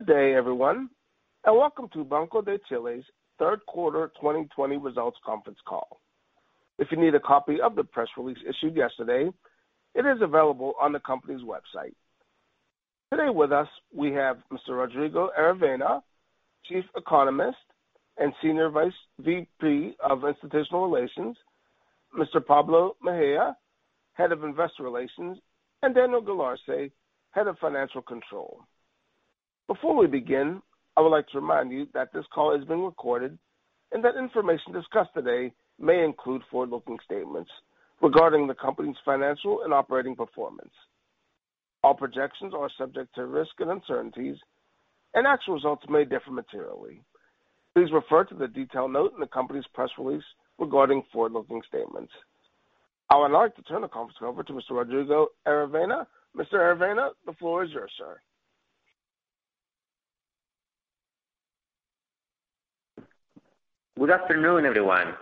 Good day everyone. Welcome to Banco de Chile's third quarter 2020 results conference call. If you need a copy of the press release issued yesterday, it is available on the company's website. Today with us, we have Mr. Rodrigo Aravena, Chief Economist and Senior VP of Institutional Relations, Mr. Pablo Mejia, Head of Investor Relations, and Daniel Galarce, Head of Financial Control. Before we begin, I would like to remind you that this call is being recorded and that information discussed today may include forward-looking statements regarding the company's financial and operating performance. All projections are subject to risk and uncertainties. Actual results may differ materially. Please refer to the detailed note in the company's press release regarding forward-looking statements. I would like to turn the conference over to Mr. Rodrigo Aravena. Mr. Aravena, the floor is yours, sir. Good afternoon, everyone.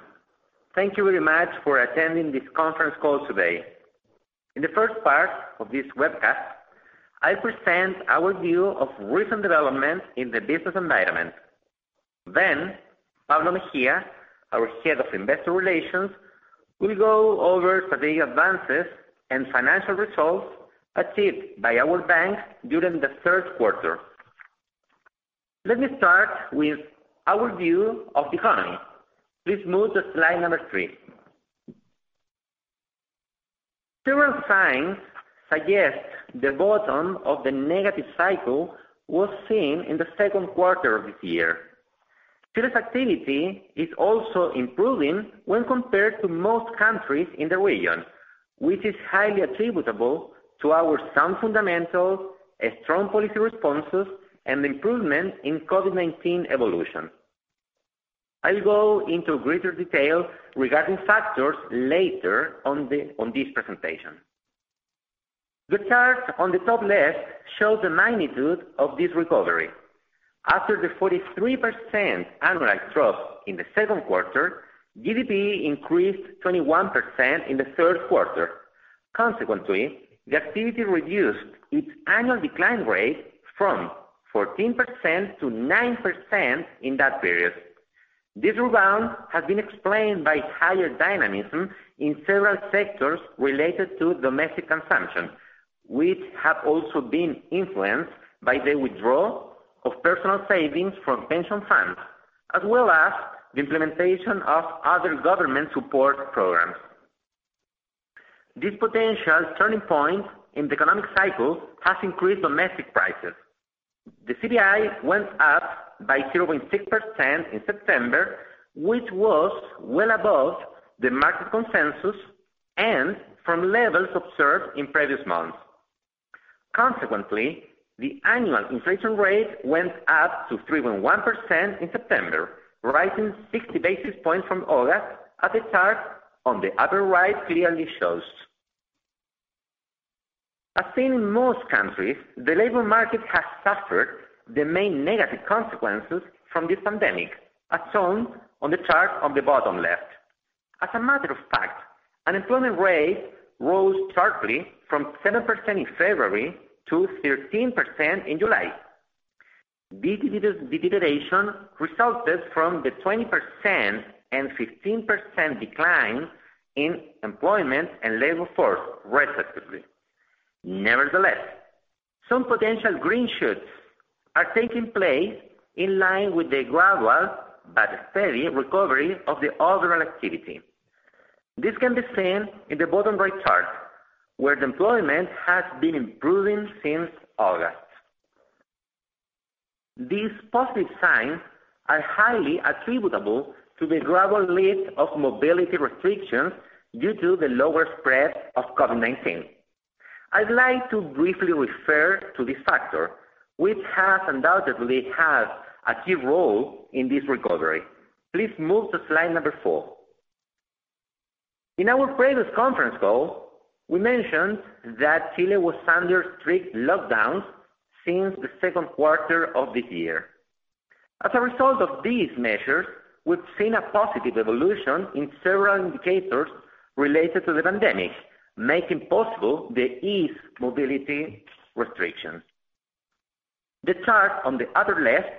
Thank you very much for attending this conference call today. In the first part of this webcast, I present our view of recent developments in the business environment. Pablo Mejia, our Head of Investor Relations, will go over strategic advances and financial results achieved by our bank during the third quarter. Let me start with our view of the economy. Please move to slide number three. Several signs suggest the bottom of the negative cycle was seen in the second quarter of this year. Sales activity is also improving when compared to most countries in the region, which is highly attributable to our sound fundamentals, a strong policy responses, and improvement in COVID-19 evolution. I will go into greater detail regarding factors later on this presentation. The chart on the top left shows the magnitude of this recovery. After the 43% annualized drop in the second quarter, GDP increased 21% in the third quarter. Consequently, the activity reduced its annual decline rate from 14%-9% in that period. This rebound has been explained by higher dynamism in several sectors related to domestic consumption, which have also been influenced by the withdrawal of personal savings from pension funds, as well as the implementation of other government support programs. This potential turning point in the economic cycle has increased domestic prices. The CPI went up by 0.6% in September, which was well above the market consensus and from levels observed in previous months. Consequently, the annual inflation rate went up to 3.1% in September, rising 60 basis points from August as the chart on the upper right clearly shows. As seen in most countries, the labor market has suffered the main negative consequences from this pandemic, as shown on the chart on the bottom left. As a matter of fact, unemployment rate rose sharply from 7% in February to 13% in July. This deterioration resulted from the 20% and 15% decline in employment and labor force, respectively. Nevertheless, some potential green shoots are taking place in line with the gradual but steady recovery of the overall activity. This can be seen in the bottom right chart, where the employment has been improving since August. These positive signs are highly attributable to the gradual lift of mobility restrictions due to the lower spread of COVID-19. I'd like to briefly refer to this factor, which has undoubtedly had a key role in this recovery. Please move to slide number four. In our previous conference call, we mentioned that Chile was under strict lockdowns since the second quarter of this year. As a result of these measures, we've seen a positive evolution in several indicators related to the pandemic, making possible the eased mobility restrictions. The chart on the other left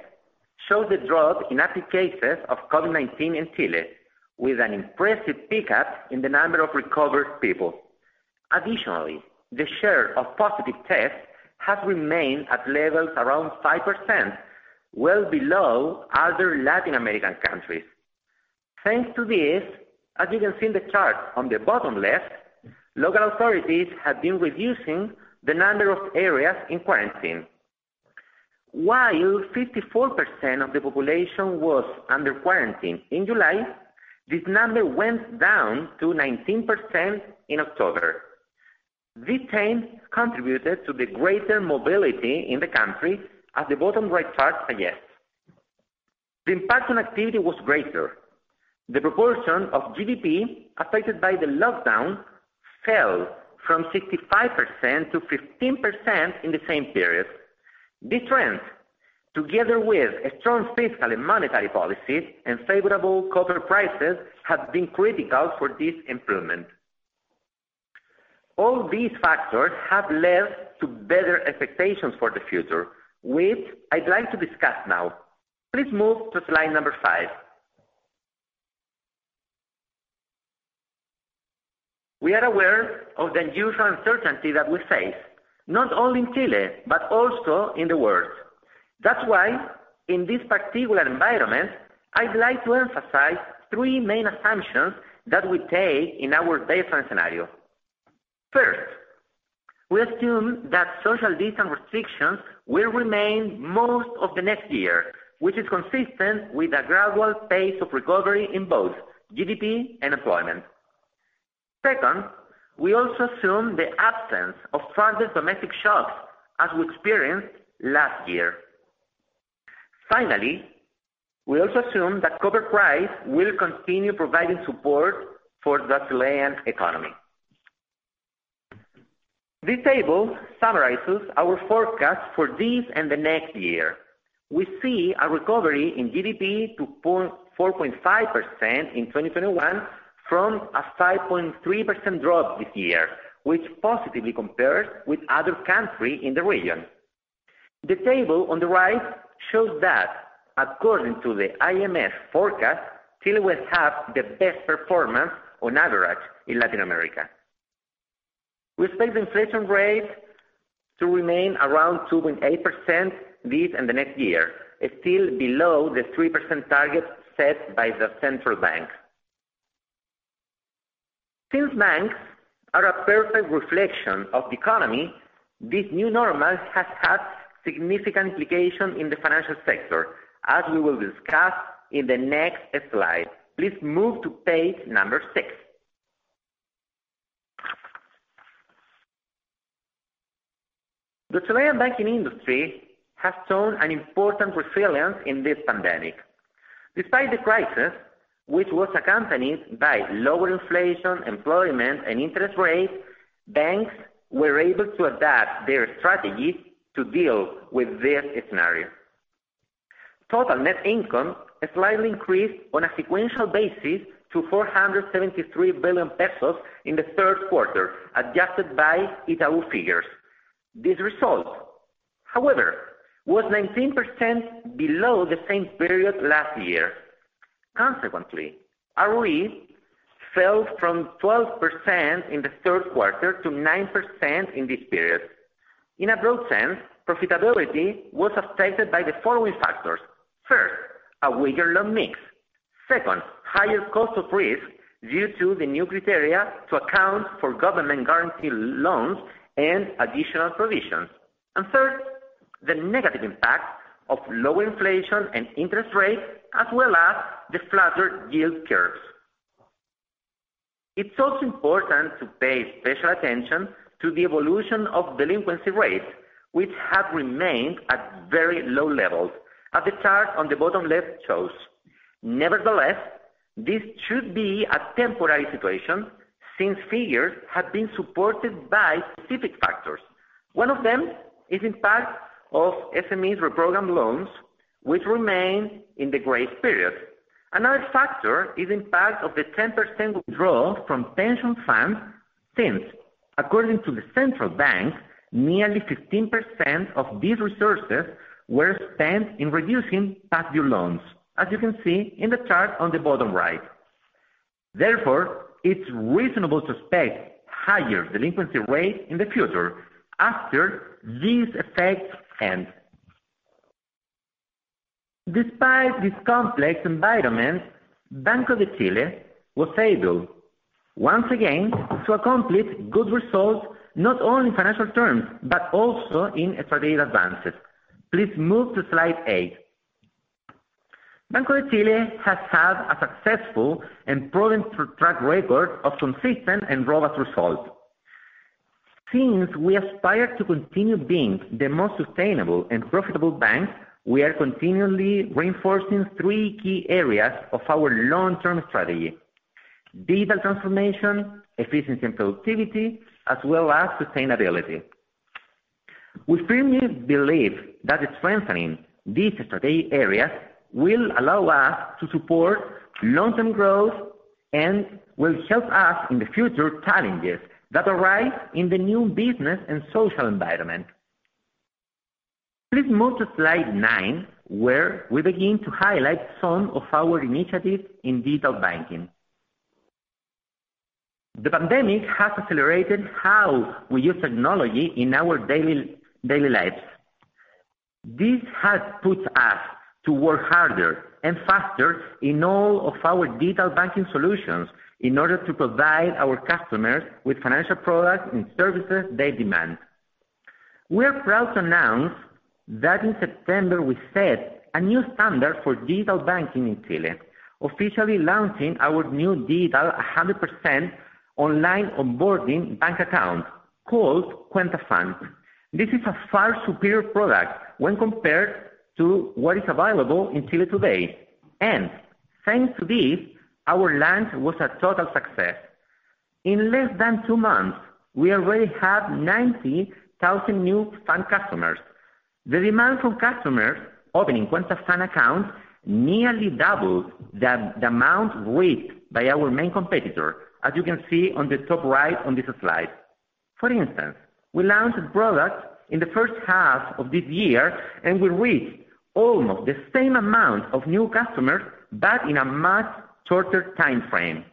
shows the drop in active cases of COVID-19 in Chile with an impressive pickup in the number of recovered people. Additionally, the share of positive tests has remained at levels around 5%, well below other Latin American countries. Thanks to this, as you can see in the chart on the bottom left, local authorities have been reducing the number of areas in quarantine. While 54% of the population was under quarantine in July, this number went down to 19% in October. This change contributed to the greater mobility in the country as the bottom right chart suggests. The impact on activity was greater. The proportion of GDP affected by the lockdown fell from 65%-15% in the same period. This trend, together with a strong fiscal and monetary policy and favorable copper prices, have been critical for this improvement. All these factors have led to better expectations for the future, which I'd like to discuss now. Please move to slide number five. We are aware of the unusual uncertainty that we face, not only in Chile but also in the world. That's why in this particular environment, I'd like to emphasize three main assumptions that we take in our baseline scenario. First, we assume that social distance restrictions will remain most of the next year, which is consistent with a gradual pace of recovery in both GDP and employment. Second, we also assume the absence of further domestic shocks as we experienced last year. Finally, we also assume that copper price will continue providing support for the Chilean economy. This table summarizes our forecast for this and the next year. We see a recovery in GDP to 4.5% in 2021 from a 5.3% drop this year, which positively compares with other countries in the region. The table on the right shows that according to the IMF forecast, Chile will have the best performance on average in Latin America. We expect the inflation rate to remain around 2.8% this and the next year, still below the 3% target set by the central bank. Since banks are a perfect reflection of the economy, this new normal has had significant implications in the financial sector, as we will discuss in the next slide. Please move to page number six. The Chilean banking industry has shown an important resilience in this pandemic. Despite the crisis, which was accompanied by lower inflation, employment, and interest rates, banks were able to adapt their strategies to deal with this scenario. Total net income slightly increased on a sequential basis to 473 billion pesos in the third quarter, adjusted by Itaú figures. This result, however, was 19% below the same period last year. Consequently, ROE fell from 12% in the third quarter to 9% in this period. In a broad sense, profitability was affected by the following factors. First, a weaker loan mix. Second, higher cost of risk due to the new criteria to account for government-guaranteed loans and additional provisions. Third, the negative impact of low inflation and interest rates, as well as the flatter yield curves. It's also important to pay special attention to the evolution of delinquency rates, which have remained at very low levels, as the chart on the bottom left shows. Nevertheless, this should be a temporary situation since figures have been supported by specific factors. One of them is impact of SMEs reprogrammed loans, which remain in the grace period. Another factor is impact of the 10% withdrawal from pension funds, since according to the central bank, nearly 15% of these resources were spent in reducing past due loans, as you can see in the chart on the bottom right. It's reasonable to expect higher delinquency rates in the future after these effects end. Despite this complex environment, Banco de Chile was able, once again, to accomplish good results, not only in financial terms, but also in strategic advances. Please move to slide eight. Banco de Chile has had a successful and proven track record of consistent and robust results. Since we aspire to continue being the most sustainable and profitable bank, we are continually reinforcing three key areas of our long-term strategy: digital transformation, efficiency and productivity, as well as sustainability. We firmly believe that strengthening these strategic areas will allow us to support long-term growth and will help us in the future challenges that arise in the new business and social environment. Please move to slide nine, where we begin to highlight some of our initiatives in digital banking. The pandemic has accelerated how we use technology in our daily lives. This has pushed us to work harder and faster in all of our digital banking solutions in order to provide our customers with financial products and services they demand. We are proud to announce that in September we set a new standard for digital banking in Chile, officially launching our new digital 100% online onboarding bank account, called Cuenta FAN. This is a far superior product when compared to what is available in Chile today, and thanks to this, our launch was a total success. In less than two months, we already have 90,000 new FAN customers. The demand from customers opening Cuenta FAN accounts nearly doubled the amount raised by our main competitor, as you can see on the top right on this slide. For instance, we launched a product in the first half of this year, and we reached almost the same amount of new customers, but in a much shorter timeframe.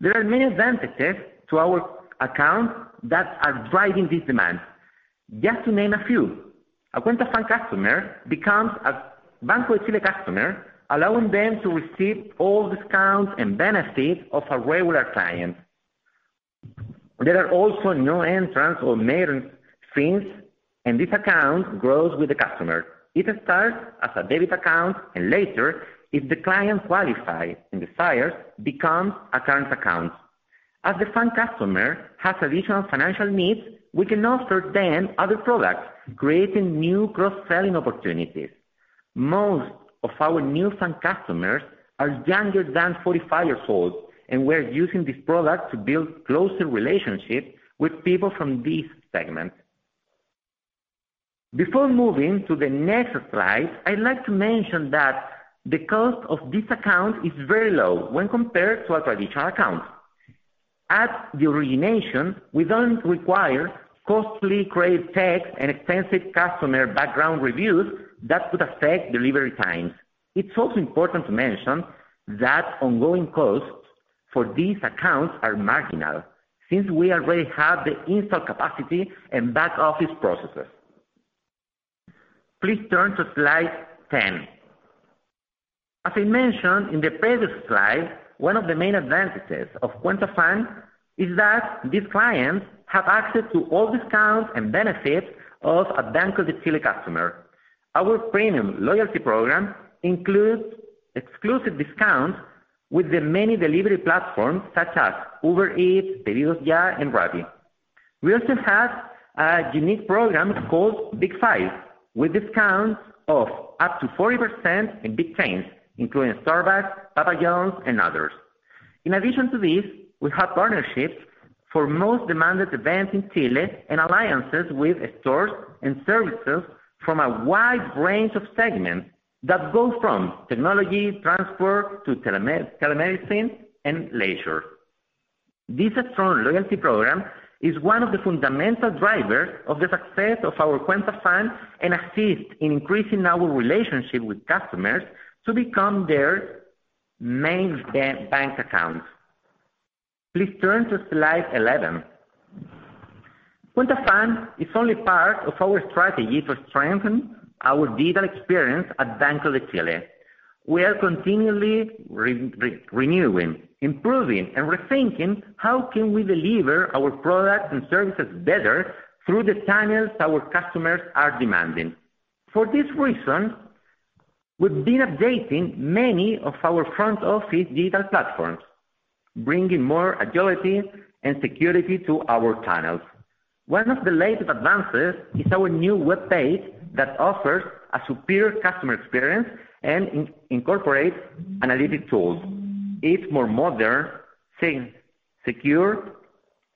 There are many advantages to our account that are driving this demand. Just to name a few, a Cuenta FAN customer becomes a Banco de Chile customer, allowing them to receive all discounts and benefits of a regular client. There are also no entrance or maintenance fees, and this account grows with the customer. It starts as a debit account, and later, if the client qualifies and desires, becomes a current account. As the FAN customer has additional financial needs, we can offer them other products, creating new cross-selling opportunities. Most of our new FAN customers are younger than 45 years old, and we're using this product to build closer relationships with people from this segment. Before moving to the next slide, I'd like to mention that the cost of this account is very low when compared to a traditional account. At the origination, we don't require costly credit checks and expensive customer background reviews that could affect delivery times. It's also important to mention that ongoing costs for these accounts are marginal, since we already have the install capacity and back-office processes. Please turn to slide 10. As I mentioned in the previous slide, one of the main advantages of Cuenta FAN is that these clients have access to all discounts and benefits of a Banco de Chile customer. Our premium loyalty program includes exclusive discounts with the many delivery platforms such as Uber Eats, PedidosYa, and Rappi. We also have a unique program called Big 5, with discounts of up to 40% in big chains, including Starbucks, Papa John's, and others. In addition to this, we have partnerships for most demanded events in Chile and alliances with stores and services from a wide range of segments that go from technology, transport, to telemedicine, and leisure. This strong loyalty program is one of the fundamental drivers of the success of our Cuenta FAN and assists in increasing our relationship with customers to become their main bank account. Please turn to slide 11. Cuenta FAN is only part of our strategy to strengthen our digital experience at Banco de Chile. We are continually renewing, improving, and rethinking how can we deliver our products and services better through the channels our customers are demanding. For this reason, we've been updating many of our front office digital platforms, bringing more agility and security to our channels. One of the latest advances is our new webpage that offers a superior customer experience and incorporates analytic tools. It's more modern, safe, secure,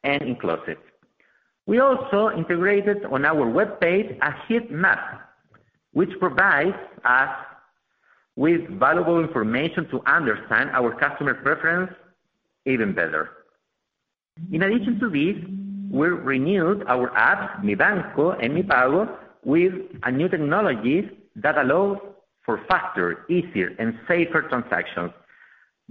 and inclusive. We also integrated on our webpage a heat map, which provides us with valuable information to understand our customer preference even better. In addition to this, we renewed our apps, Mi Banco and Mi Pago, with a new technology that allows for faster, easier, and safer transactions.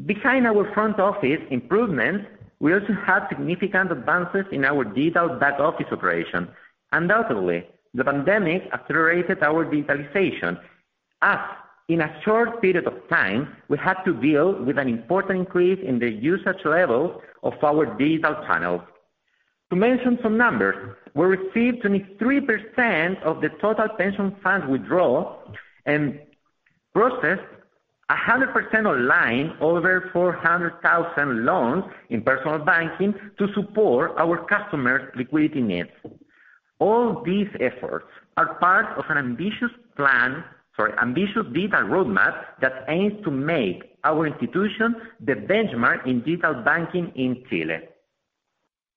Behind our front office improvements, we also have significant advances in our digital back-office operation. Undoubtedly, the pandemic accelerated our digitalization. As in a short period of time, we had to deal with an important increase in the usage level of our digital channels. To mention some numbers, we received 23% of the total pension fund withdrawal and processed 100% online over 400,000 loans in personal banking to support our customers' liquidity needs. All these efforts are part of an ambitious digital roadmap that aims to make our institution the benchmark in digital banking in Chile.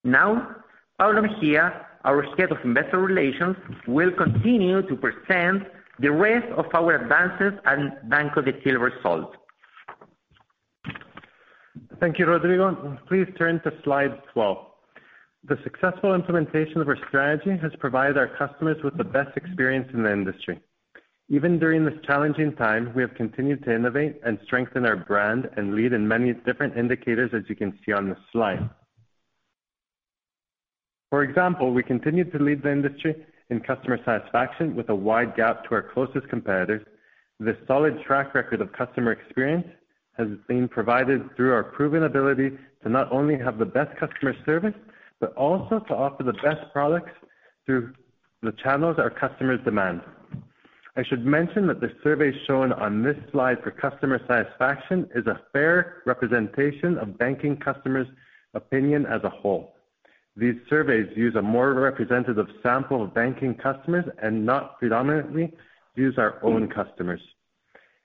Now, Pablo Mejia, our Head of Investor Relations, will continue to present the rest of our advances and Banco de Chile results. Thank you, Rodrigo. Please turn to slide 12. The successful implementation of our strategy has provided our customers with the best experience in the industry. Even during this challenging time, we have continued to innovate and strengthen our brand and lead in many different indicators, as you can see on this slide. For example, we continue to lead the industry in customer satisfaction with a wide gap to our closest competitors. This solid track record of customer experience has been provided through our proven ability to not only have the best customer service, but also to offer the best products through the channels our customers demand. I should mention that the survey shown on this slide for customer satisfaction is a fair representation of banking customers' opinion as a whole. These surveys use a more representative sample of banking customers and not predominantly use our own customers.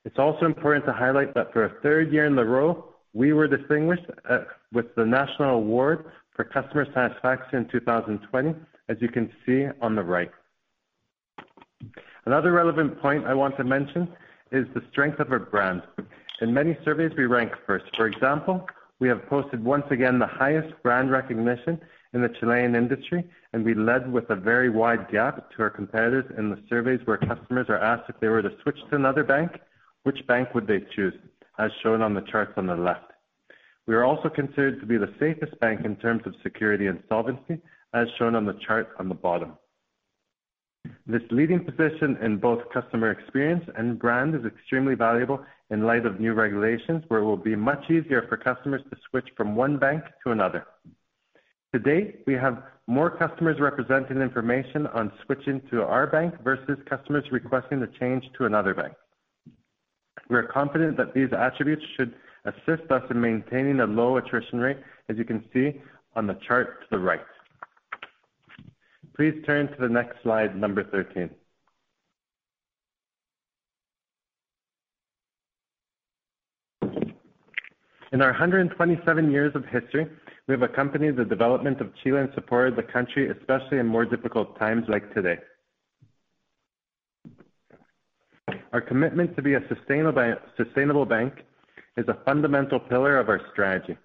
It's also important to highlight that for a third year in a row, we were distinguished with the National Award for Customer Satisfaction 2020, as you can see on the right. Another relevant point I want to mention is the strength of our brand. In many surveys, we rank first. For example, we have posted once again the highest brand recognition in the Chilean industry, and we led with a very wide gap to our competitors in the surveys where customers are asked if they were to switch to another bank, which bank would they choose, as shown on the charts on the left. We are also considered to be the safest bank in terms of security and solvency, as shown on the chart on the bottom. This leading position in both customer experience and brand is extremely valuable in light of new regulations, where it will be much easier for customers to switch from one bank to another. To date, we have more customers representing information on switching to our bank versus customers requesting to change to another bank. We are confident that these attributes should assist us in maintaining a low attrition rate, as you can see on the chart to the right. Please turn to the next slide, number 13. In our 127 years of history, we have accompanied the development of Chile and supported the country, especially in more difficult times like today. Our commitment to be a sustainable bank is a fundamental pillar of our strategy.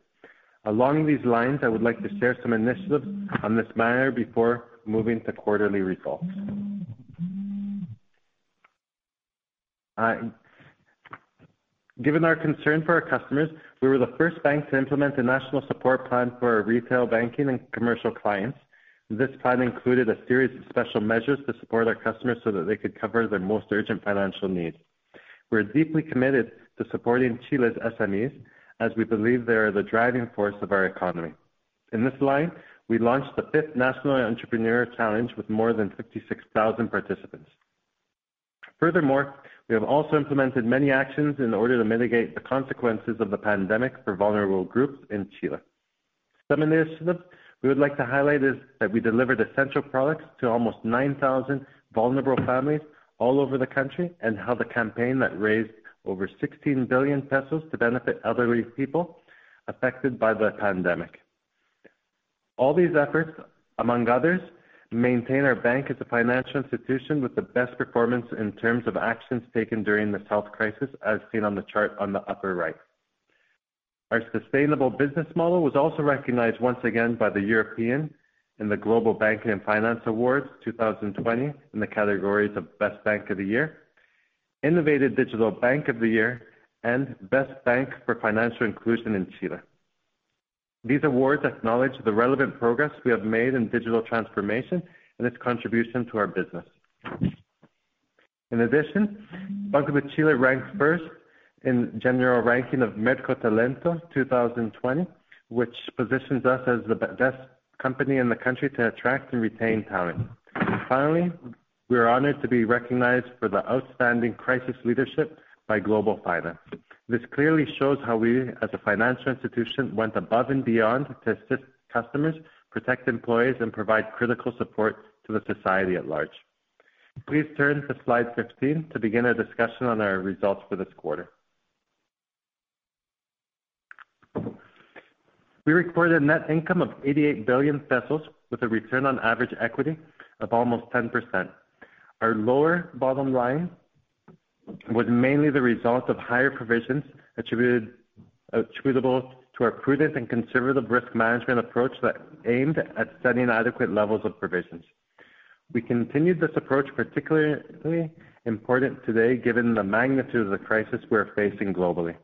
Along these lines, I would like to share some initiatives on this matter before moving to quarterly results. Given our concern for our customers, we were the first bank to implement the National Support Plan for our retail banking and commercial clients. This plan included a series of special measures to support our customers so that they could cover their most urgent financial needs. We are deeply committed to supporting Chile's SMEs, as we believe they are the driving force of our economy. In this line, we launched the fifth National Entrepreneur Challenge with more than 56,000 participants. Furthermore, we have also implemented many actions in order to mitigate the consequences of the pandemic for vulnerable groups in Chile. Some initiatives we would like to highlight is that we delivered essential products to almost 9,000 vulnerable families all over the country, and held a campaign that raised over 16 billion pesos to benefit elderly people affected by the pandemic. All these efforts, among others, maintain our bank as a financial institution with the best performance in terms of actions taken during this health crisis, as seen on the chart on the upper right. Our sustainable business model was also recognized once again by the European in the Global Banking & Finance Awards 2020, in the categories of Best Bank of the Year, Innovative Digital Bank of the Year, and Best Bank for Financial Inclusion in Chile. These awards acknowledge the relevant progress we have made in digital transformation and its contribution to our business. In addition, Banco de Chile ranks first in general ranking of Merco Talento 2020, which positions us as the best company in the country to attract and retain talent. Finally, we are honored to be recognized for the outstanding crisis leadership by Global Finance. This clearly shows how we, as a financial institution, went above and beyond to assist customers, protect employees, and provide critical support to the society at large. Please turn to slide 15 to begin our discussion on our results for this quarter. We recorded a net income of 88 billion pesos with a return on average equity of almost 10%. Our lower bottom line was mainly the result of higher provisions attributable to our prudent and conservative risk management approach that aimed at setting adequate levels of provisions. We continued this approach, particularly important today given the magnitude of the crisis we are facing globally.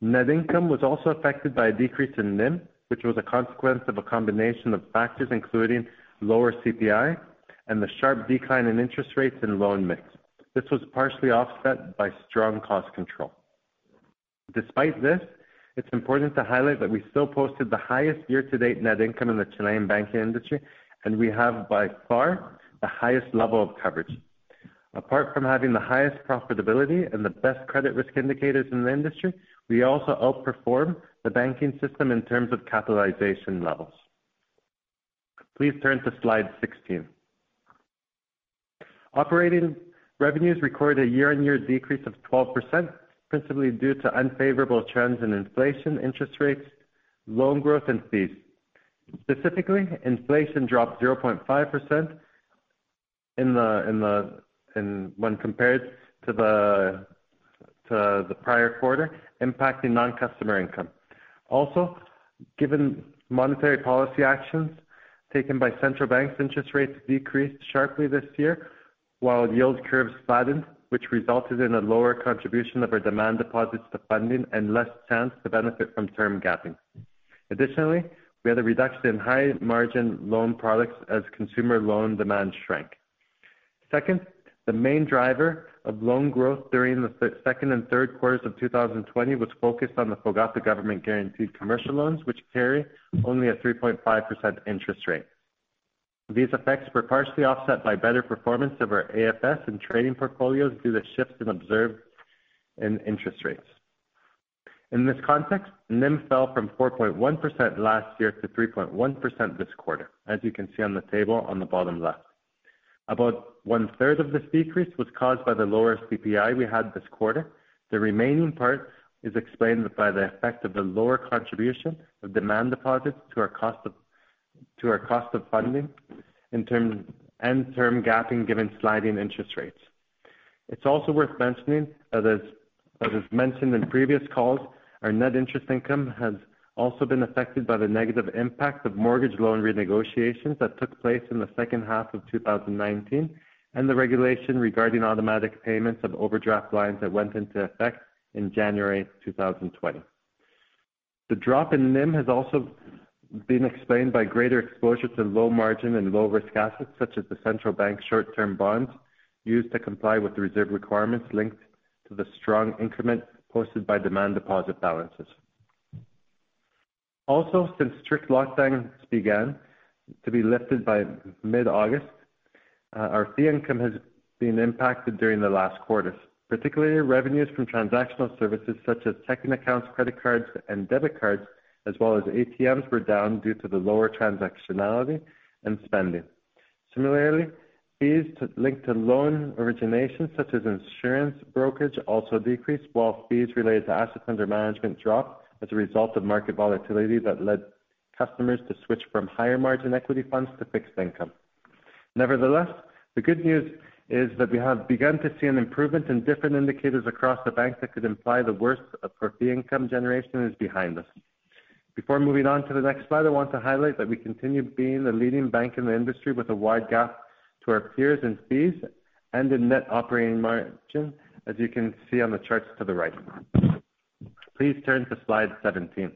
Net income was also affected by a decrease in NIM, which was a consequence of a combination of factors including lower CPI and the sharp decline in interest rates and loan mix. This was partially offset by strong cost control. Despite this, it's important to highlight that we still posted the highest year-to-date net income in the Chilean banking industry, and we have by far the highest level of coverage. Apart from having the highest profitability and the best credit risk indicators in the industry, we also outperform the banking system in terms of capitalization levels. Please turn to slide 16. Operating revenues recorded a year-on-year decrease of 12%, principally due to unfavorable trends in inflation, interest rates, loan growth, and fees. Specifically, inflation dropped 0.5% when compared to the prior quarter, impacting non-customer income. Also, given monetary policy actions taken by central banks, interest rates decreased sharply this year, while yield curves flattened, which resulted in a lower contribution of our demand deposits to funding and less chance to benefit from term gapping. Additionally, we had a reduction in high margin loan products as consumer loan demand shrank. Second, the main driver of loan growth during the second and third quarters of 2020 was focused on the FOGAPE government-guaranteed commercial loans, which carry only a 3.5% interest rate. These effects were partially offset by better performance of our AFS and trading portfolios due to shifts observed in interest rates. In this context, NIM fell from 4.1% last year to 3.1% this quarter, as you can see on the table on the bottom left. About 1/3 of this decrease was caused by the lower CPI we had this quarter. The remaining part is explained by the effect of the lower contribution of demand deposits to our cost of funding and term gapping, given sliding interest rates. It's also worth mentioning, as is mentioned in previous calls, our net interest income has also been affected by the negative impact of mortgage loan renegotiations that took place in the second half of 2019, and the regulation regarding automatic payments of overdraft lines that went into effect in January 2020. The drop in NIM has also been explained by greater exposure to low margin and low-risk assets, such as the Central Bank short-term bonds used to comply with the reserve requirements linked to the strong increment posted by demand deposit balances. Also, since strict lockdowns began to be lifted by mid-August, our fee income has been impacted during the last quarters. Particularly, revenues from transactional services such as checking accounts, credit cards, and debit cards, as well as ATMs, were down due to the lower transactionality and spending. Similarly, fees linked to loan origination, such as insurance brokerage, also decreased, while fees related to assets under management dropped as a result of market volatility that led customers to switch from higher margin equity funds to fixed income. Nevertheless, the good news is that we have begun to see an improvement in different indicators across the bank that could imply the worst for fee income generation is behind us. Before moving on to the next slide, I want to highlight that we continue being the leading bank in the industry with a wide gap to our peers in fees and in net operating margin, as you can see on the charts to the right. Please turn to slide 17.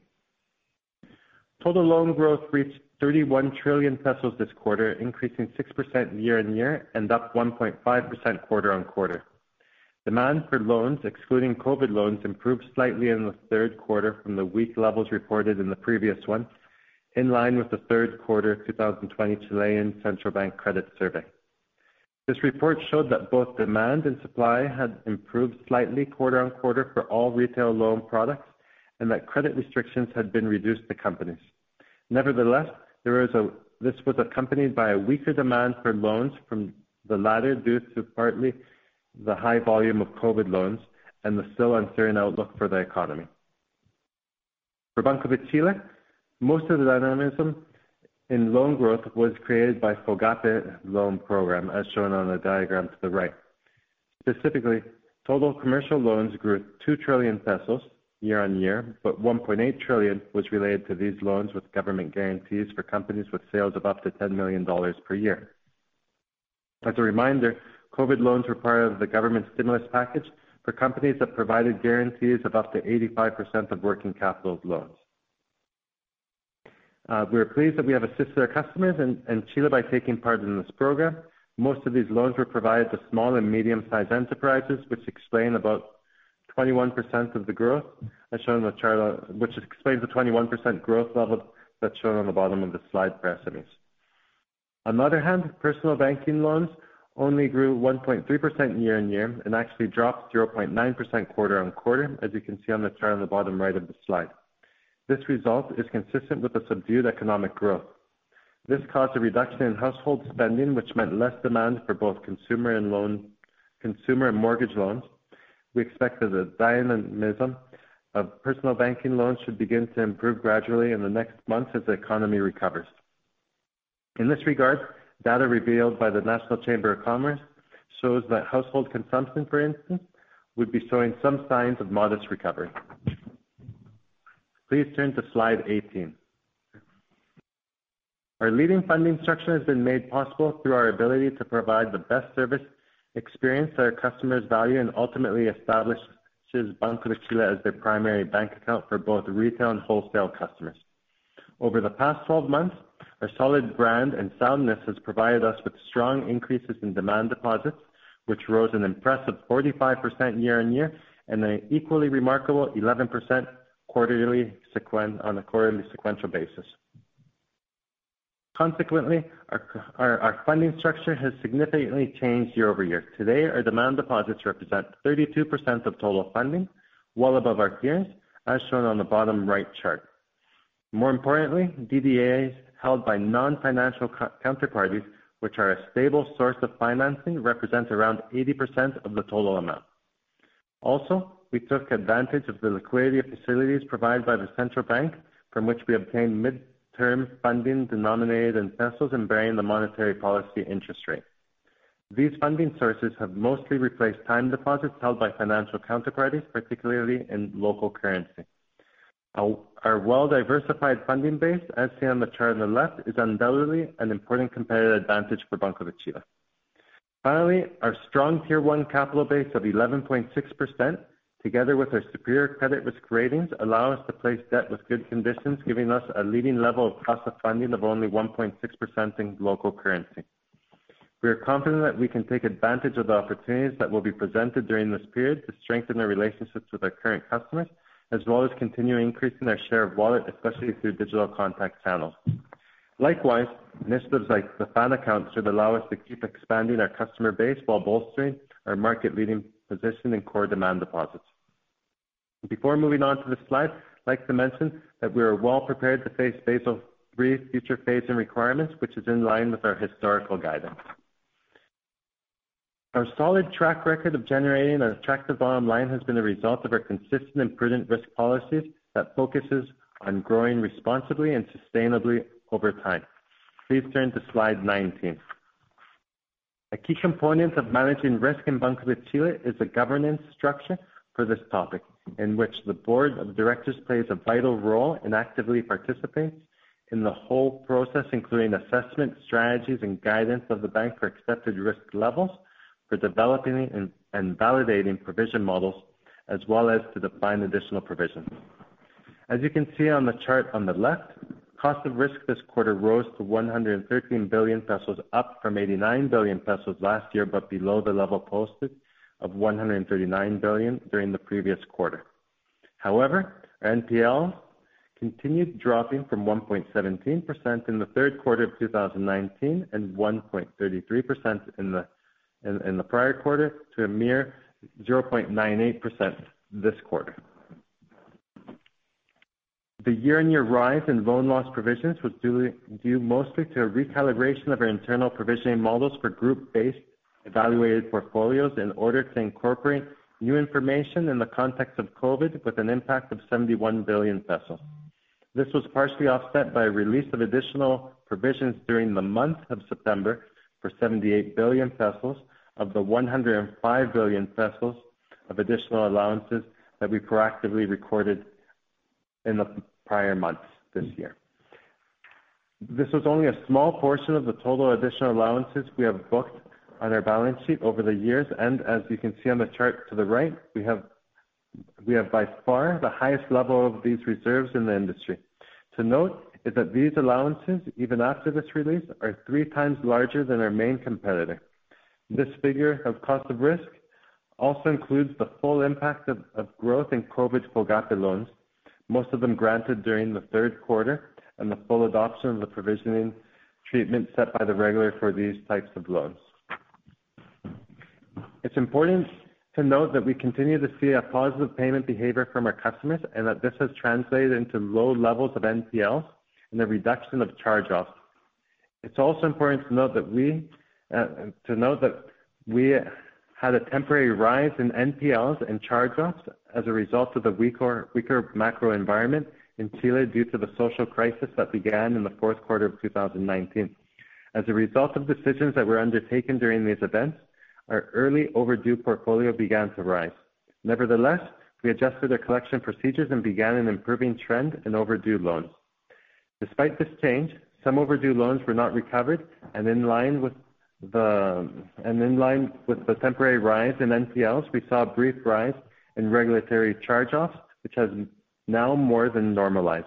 Total loan growth reached 31 trillion pesos this quarter, increasing 6% year-on-year and up 1.5% quarter-on-quarter. Demand for loans, excluding COVID loans, improved slightly in the third quarter from the weak levels reported in the previous one, in line with the third quarter 2020 Chilean Central Bank Credit Survey. This report shows both demand and supply had improve slightly quarter-on-quarter for all retail loan products. That credit restrictions had been reduced to companies. Nevertheless, this was accompanied by a weaker demand for loans from the latter, due to partly the high volume of COVID loans and the still uncertain outlook for the economy. For Banco de Chile, most of the dynamism in loan growth was created by FOGAPE loan program, as shown on the diagram to the right. Specifically, total commercial loans grew 2 trillion pesos year-on-year, 1.8 trillion was related to these loans, with government guarantees for companies with sales of up to $10 million per year. As a reminder, COVID loans were part of the government stimulus package for companies that provided guarantees of up to 85% of working capital loans. We are pleased that we have assisted our customers in Chile by taking part in this program. Most of these loans were provided to small and medium-sized enterprises, which explain about 21% of the growth, as shown on the chart, which explains the 21% growth level that's shown on the bottom of the slide for estimates. On the other hand, personal banking loans only grew 1.3% year-on-year and actually dropped 0.9% quarter-on-quarter, as you can see on the chart on the bottom right of the slide. This result is consistent with the subdued economic growth. This caused a reduction in household spending, which meant less demand for both consumer and mortgage loans. We expect that the dynamism of personal banking loans should begin to improve gradually in the next months as the economy recovers. In this regard, data revealed by the National Chamber of Commerce shows that household consumption, for instance, would be showing some signs of modest recovery. Please turn to slide 18. Our leading funding structure has been made possible through our ability to provide the best service experience that our customers value and ultimately establishes Banco de Chile as their primary bank account for both retail and wholesale customers. Over the past 12 months, our solid brand and soundness has provided us with strong increases in demand deposits, which rose an impressive 45% year-over-year and an equally remarkable 11% on a quarterly sequential basis. Consequently, our funding structure has significantly changed year-over-year. Today, our demand deposits represent 32% of total funding, well above our peers, as shown on the bottom right chart. More importantly, DDAs held by non-financial counterparties, which are a stable source of financing, represent around 80% of the total amount. Also, we took advantage of the liquidity of facilities provided by the central bank, from which we obtained mid-term funding denominated in pesos and bearing the monetary policy interest rate. These funding sources have mostly replaced time deposits held by financial counterparties, particularly in local currency. Our well-diversified funding base, as seen on the chart on the left, is undoubtedly an important competitive advantage for Banco de Chile. Finally, our strong Tier 1 capital base of 11.6%, together with our superior credit risk ratings, allow us to place debt with good conditions, giving us a leading level of cost of funding of only 1.6% in local currency. We are confident that we can take advantage of the opportunities that will be presented during this period to strengthen our relationships with our current customers, as well as continue increasing our share of wallet, especially through digital contact channels. Likewise, initiatives like the FAN Account should allow us to keep expanding our customer base while bolstering our market-leading position in core demand deposits. Before moving on to the slide, I'd like to mention that we are well-prepared to face Basel III future phase and requirements, which is in line with our historical guidance. Our solid track record of generating an attractive bottom line has been a result of our consistent and prudent risk policies that focuses on growing responsibly and sustainably over time. Please turn to slide 19. A key component of managing risk in Banco de Chile is the governance structure for this topic, in which the board of directors plays a vital role in actively participating in the whole process, including assessment, strategies, and guidance of the bank for accepted risk levels, for developing and validating provision models, as well as to define additional provisions. As you can see on the chart on the left, cost of risk this quarter rose to 113 billion pesos, up from 89 billion pesos last year, but below the level posted of 139 billion during the previous quarter. However, NPL continued dropping from 1.17% in the third quarter of 2019 and 1.33% in the prior quarter to a mere 0.98% this quarter. The year-on-year rise in loan loss provisions was due mostly to a recalibration of our internal provisioning models for group-based evaluated portfolios in order to incorporate new information in the context of COVID-19 with an impact of 71 billion pesos. This was partially offset by a release of additional provisions during the month of September for 78 billion pesos of the 105 billion pesos of additional allowances that we proactively recorded in the prior months this year. This was only a small portion of the total additional allowances we have booked on our balance sheet over the years and as you can see on the chart to the right, we have by far the highest level of these reserves in the industry. To note is that these allowances, even after this release, are three times larger than our main competitor. This figure of cost of risk also includes the full impact of growth in COVID FOGAPE loans, most of them granted during the third quarter, and the full adoption of the provisioning treatment set by the regulator for these types of loans. It's important to note that we continue to see a positive payment behavior from our customers and that this has translated into low levels of NPL and the reduction of charge-offs. It's also important to note that we had a temporary rise in NPLs and charge-offs as a result of the weaker macro environment in Chile due to the social crisis that began in the fourth quarter of 2019. As a result of decisions that were undertaken during these events, our early overdue portfolio began to rise. Nevertheless, we adjusted our collection procedures and began an improving trend in overdue loans. Despite this change, some overdue loans were not recovered and in line with the temporary rise in NPLs, we saw a brief rise in regulatory charge-offs, which has now more than normalized.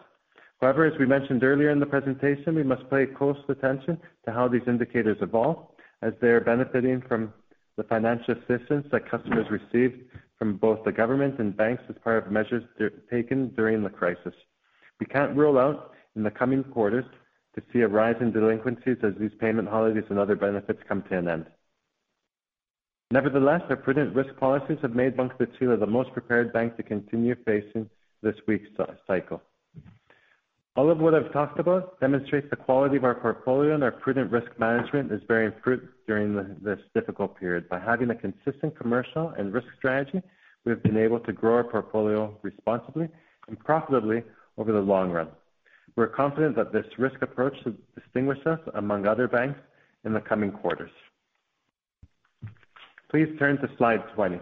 As we mentioned earlier in the presentation, we must pay close attention to how these indicators evolve as they are benefiting from the financial assistance that customers received from both the government and banks as part of measures taken during the crisis. We can't rule out in the coming quarters to see a rise in delinquencies as these payment holidays and other benefits come to an end. Our prudent risk policies have made Banco de Chile the most prepared bank to continue facing this weak cycle. All of what I've talked about demonstrates the quality of our portfolio, and our prudent risk management is bearing fruit during this difficult period. By having a consistent commercial and risk strategy, we have been able to grow our portfolio responsibly and profitably over the long run. We are confident that this risk approach should distinguish us among other banks in the coming quarters. Please turn to slide 20.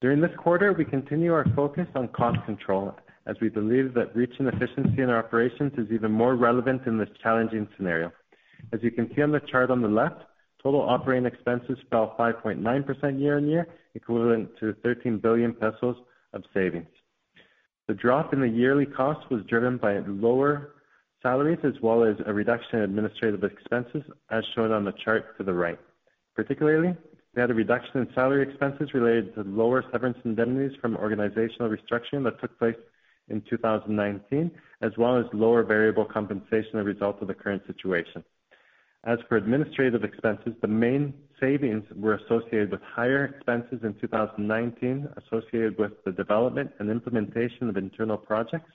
During this quarter, we continue our focus on cost control as we believe that reaching efficiency in our operations is even more relevant in this challenging scenario. As you can see on the chart on the left, total operating expenses fell 5.9% year-on-year, equivalent to 13 billion pesos of savings. The drop in the yearly cost was driven by lower salaries as well as a reduction in administrative expenses as shown on the chart to the right. Particularly, we had a reduction in salary expenses related to lower severance indemnities from organizational restructuring that took place in 2019, as well as lower variable compensation as a result of the current situation. As for administrative expenses, the main savings were associated with higher expenses in 2019, associated with the development and implementation of internal projects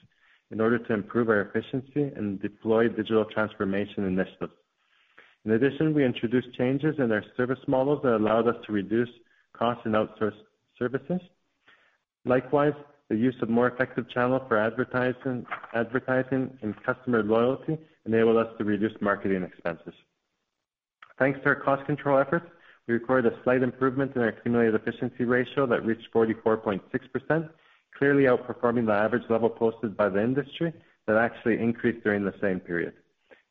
in order to improve our efficiency and deploy digital transformation initiatives. In addition, we introduced changes in our service models that allowed us to reduce cost and outsource services. Likewise, the use of more effective channel for advertising and customer loyalty enabled us to reduce marketing expenses. Thanks to our cost control efforts, we recorded a slight improvement in our accumulated efficiency ratio that reached 44.6%, clearly outperforming the average level posted by the industry that actually increased during the same period.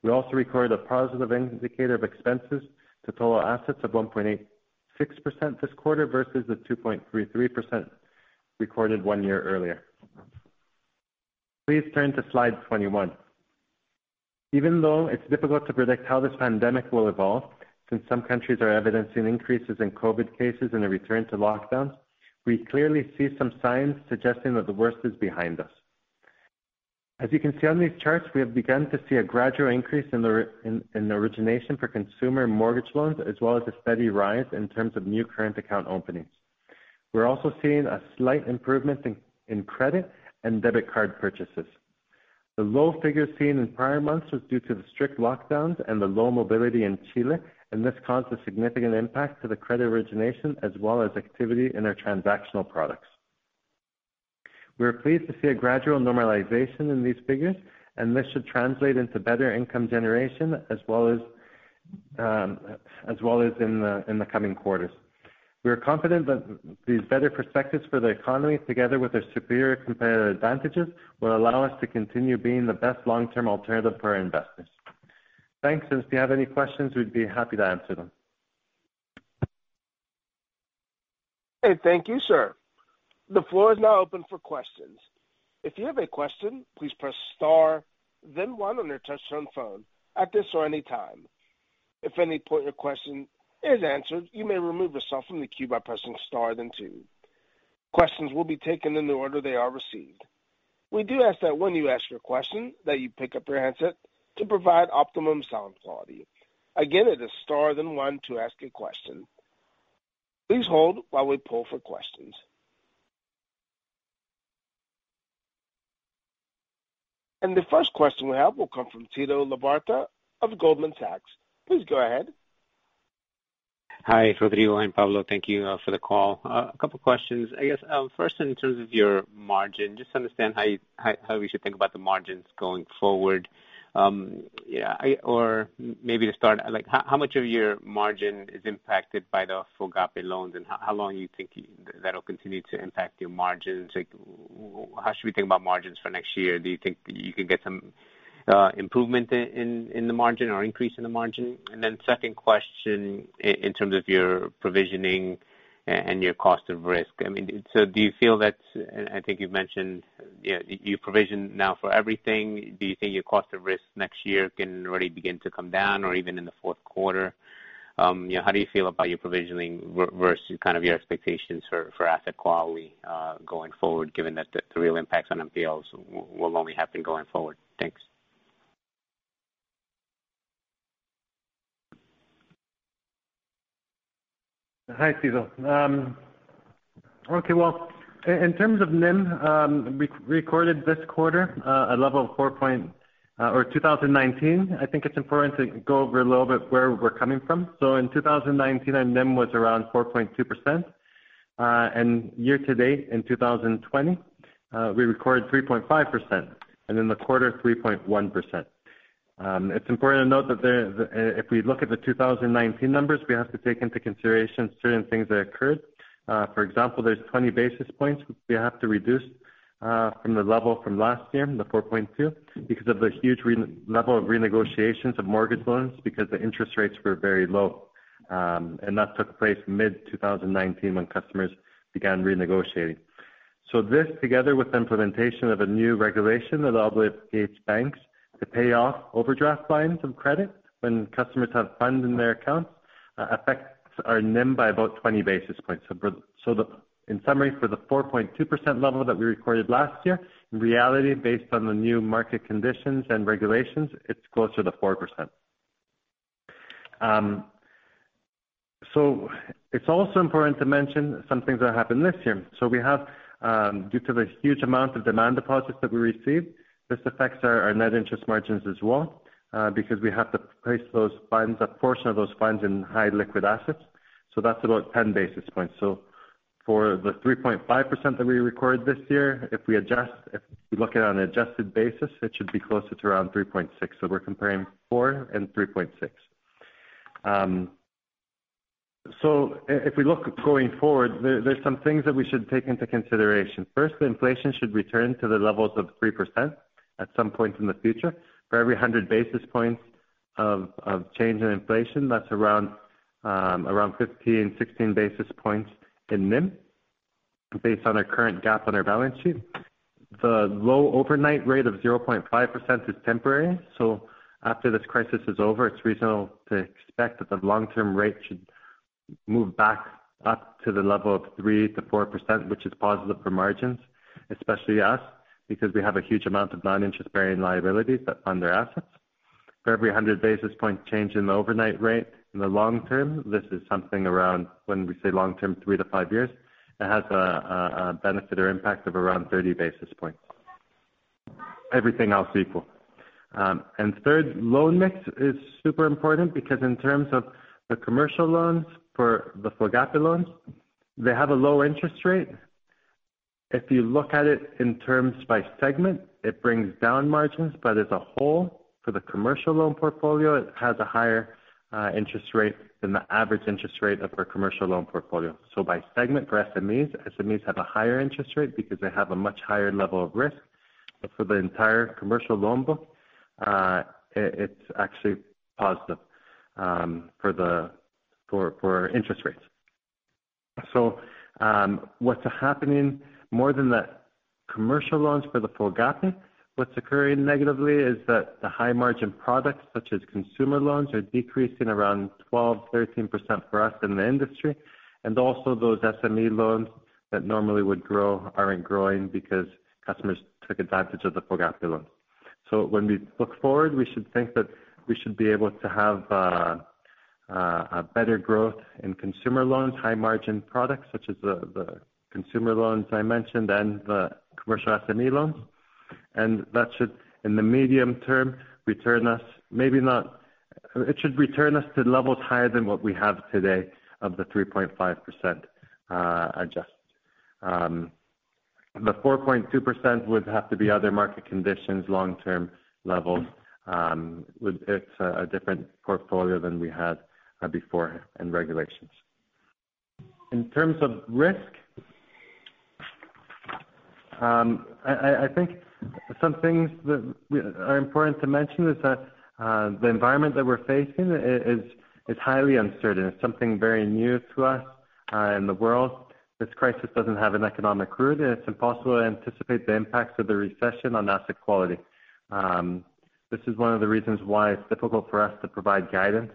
We also recorded a positive indicator of expenses to total assets of 1.86% this quarter versus the 2.33% recorded one year earlier. Please turn to slide 21. Even though it's difficult to predict how this pandemic will evolve, since some countries are evidencing increases in COVID cases and a return to lockdowns. We clearly see some signs suggesting that the worst is behind us. As you can see on these charts, we have begun to see a gradual increase in the origination for consumer mortgage loans, as well as a steady rise in terms of new current account openings. We're also seeing a slight improvement in credit and debit card purchases. The low figures seen in prior months was due to the strict lockdowns and the low mobility in Chile, and this caused a significant impact to the credit origination as well as activity in our transactional products. We are pleased to see a gradual normalization in these figures. This should translate into better income generation as well as in the coming quarters. We are confident that these better perspectives for the economy, together with our superior competitive advantages, will allow us to continue being the best long-term alternative for our investors. Thanks. If you have any questions, we'd be happy to answer them. Okay. Thank you, sir. The floor is now open for questions. If you have a question, please press star then one on your touchtone phone at this or any time. If at any point your question is answered, you may remove yourself from the queue by pressing star then two. Questions will be taken in the order they are received. We do ask that when you ask your question, that you pick up your handset to provide optimum sound quality. Again, it is star then one to ask a question. Please hold while we poll for questions. The first question we have will come from Tito Labarta of Goldman Sachs. Please go ahead. Hi, Rodrigo and Pablo. Thank you for the call. A couple questions. I guess, first in terms of your margin, just to understand how we should think about the margins going forward. Maybe to start, how much of your margin is impacted by the FOGAPE loans, and how long do you think that'll continue to impact your margins? How should we think about margins for next year? Do you think you can get some improvement in the margin or increase in the margin? Second question in terms of your provisioning and your cost of risk. Do you feel that, I think you've mentioned, you provision now for everything. Do you think your cost of risk next year can already begin to come down or even in the fourth quarter? How do you feel about your provisioning versus kind of your expectations for asset quality, going forward, given that the real impacts on NPLs will only happen going forward? Thanks. Hi, Tito. Okay, well, in terms of NIM, we recorded this quarter a level of four point or 2019. I think it's important to go over a little bit where we're coming from. In 2019, our NIM was around 4.2%. Year to date in 2020, we recorded 3.5%, and in the quarter, 3.1%. It's important to note that if we look at the 2019 numbers, we have to take into consideration certain things that occurred. For example, there's 20 basis points we have to reduce from the level from last year, the 4.2, because of the huge re-level of renegotiations of mortgage loans because the interest rates were very low. That took place mid-2019 when customers began renegotiating. This, together with the implementation of a new regulation that obligates banks to pay off overdraft lines of credit when customers have funds in their accounts, affects our NIM by about 20 basis points. In summary, for the 4.2% level that we recorded last year, in reality based on the new market conditions and regulations, it's closer to 4%. It's also important to mention some things that happened this year. We have, due to the huge amount of demand deposits that we received, this affects our net interest margins as well because we have to place a portion of those funds in high liquid assets. That's about 10 basis points. For the 3.5% that we recorded this year, if we look at it on an adjusted basis, it should be closer to around 3.6%. We're comparing 4% and 3.6%. If we look going forward, there's some things that we should take into consideration. First, the inflation should return to the levels of 3% at some point in the future. For every 100 basis points of change in inflation, that's around 15-16 basis points in NIM based on our current gap on our balance sheet. The low overnight rate of 0.5% is temporary. After this crisis is over, it's reasonable to expect that the long-term rate should move back up to the level of 3%-4%, which is positive for margins, especially us, because we have a huge amount of non-interest bearing liabilities that fund our assets. For every 100 basis point change in the overnight rate in the long term, this is something around, when we say long term, three to five years, it has a benefit or impact of around 30 basis points, everything else equal. Third, loan mix is super important because in terms of the commercial loans for the FOGAPE loans, they have a low interest rate. If you look at it in terms by segment, it brings down margins, but as a whole for the commercial loan portfolio, it has a higher interest rate than the average interest rate of our commercial loan portfolio. By segment for SMEs have a higher interest rate because they have a much higher level of risk. For the entire commercial loan book, it's actually positive for interest rates. Commercial loans for the FOGAPE. What's occurring negatively is that the high margin products, such as consumer loans, are decreasing around 12%-13% for us in the industry. Also those SME loans that normally would grow aren't growing because customers took advantage of the FOGAPE loans. When we look forward, we should think that we should be able to have a better growth in consumer loans, high margin products such as the consumer loans I mentioned and the commercial SME loans. That should, in the medium term, return us to levels higher than what we have today of the 3.5% adjusted. The 4.2% would have to be other market conditions, long-term levels. It's a different portfolio than we had before and regulations. In terms of risk, I think some things that are important to mention is that the environment that we're facing is highly uncertain. It's something very new to us and the world. This crisis doesn't have an economic root, and it's impossible to anticipate the impacts of the recession on asset quality. This is one of the reasons why it's difficult for us to provide guidance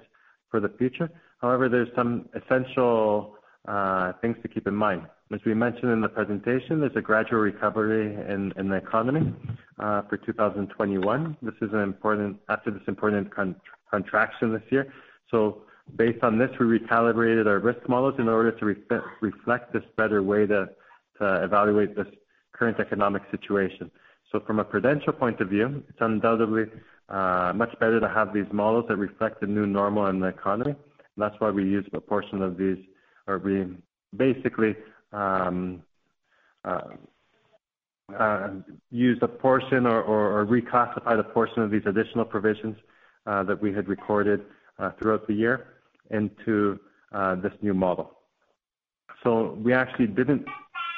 for the future. However, there's some essential things to keep in mind. As we mentioned in the presentation, there's a gradual recovery in the economy for 2021. This is after this important contraction this year. Based on this, we recalibrated our risk models in order to reflect this better way to evaluate this current economic situation. From a prudential point of view, it's undoubtedly much better to have these models that reflect the new normal in the economy. That's why we use a portion of these, or we basically use a portion or reclassify the portion of these additional provisions that we had recorded throughout the year into this new model. We actually didn't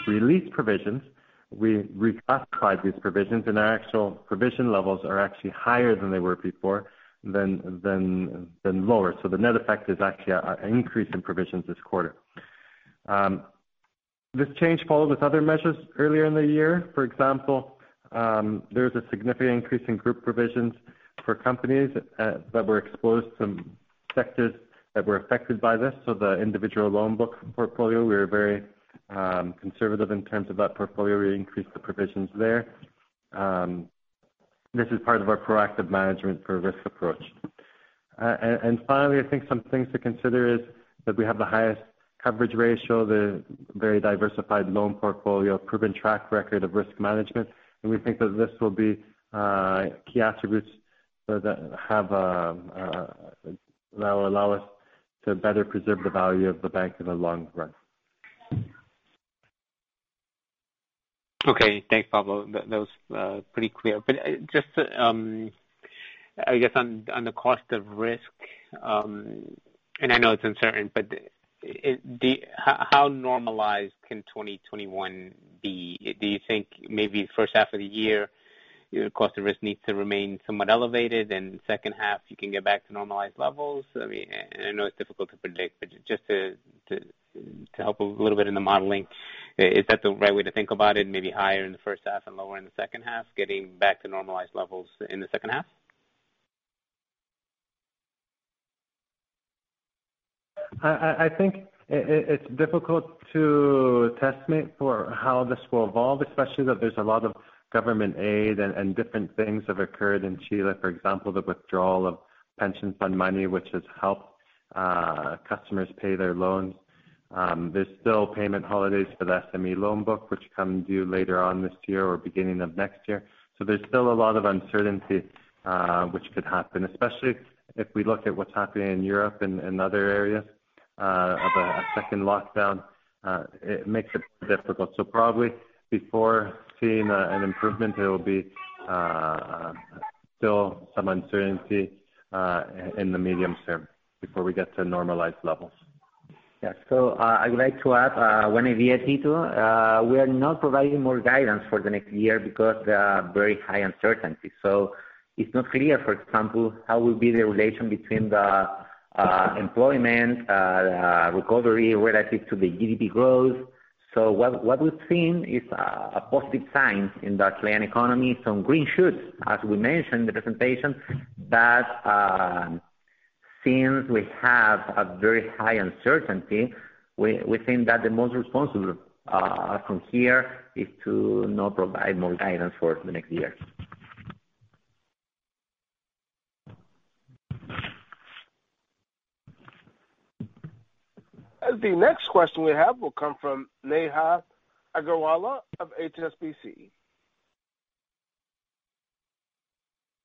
release provisions. We reclassified these provisions, and our actual provision levels are actually higher than they were before than lower. The net effect is actually an increase in provisions this quarter. This change followed with other measures earlier in the year. For example, there is a significant increase in group provisions for companies that were exposed to sectors that were affected by this. The individual loan book portfolio, we are very conservative in terms of that portfolio. We increased the provisions there. This is part of our proactive management for risk approach. Finally, I think some things to consider is that we have the highest coverage ratio, the very diversified loan portfolio, proven track record of risk management, and we think that this will be key attributes that will allow us to better preserve the value of the bank in the long run. Okay. Thanks, Pablo. That was pretty clear. Just to, I guess, on the cost of risk, and I know it's uncertain, but how normalized can 2021 be? Do you think maybe first half of the year, your cost of risk needs to remain somewhat elevated, and second half you can get back to normalized levels? I know it's difficult to predict, but just to help a little bit in the modeling, is that the right way to think about it? Maybe higher in the first half and lower in the second half, getting back to normalized levels in the second half? I think it's difficult to estimate for how this will evolve, especially that there's a lot of government aid and different things have occurred in Chile. For example, the withdrawal of pension fund money, which has helped customers pay their loans. There's still payment holidays for the SME loan book, which come due later on this year or beginning of next year. There's still a lot of uncertainty, which could happen, especially if we look at what's happening in Europe and other areas of a second lockdown. It makes it difficult. Probably before seeing an improvement, there will be still some uncertainty in the medium term before we get to normalized levels. Yeah. I would like to add, when I hear Tito, we are not providing more guidance for the next year because there are very high uncertainty. It's not clear, for example, how will be the relation between the employment recovery relative to the GDP growth. What we've seen is a positive sign in the Chilean economy, some green shoots, as we mentioned in the presentation, that since we have a very high uncertainty, we think that the most responsible from here is to not provide more guidance for the next year. The next question we have will come from Neha Agarwala of HSBC.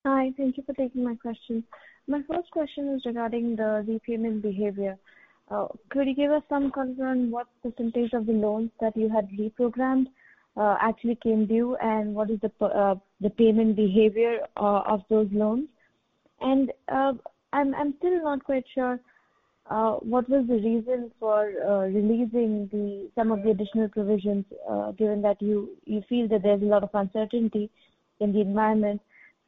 Hi, thank you for taking my question. My first question is regarding the repayment behavior. Could you give us some color on what percentage of the loans that you had reprogrammed actually came due, and what is the payment behavior of those loans? I'm still not quite sure what was the reason for releasing some of the additional provisions, given that you feel that there's a lot of uncertainty in the environment.